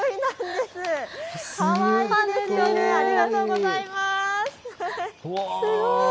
すごい！